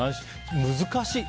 難しい。